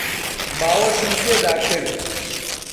باوەشم پێدا کرد.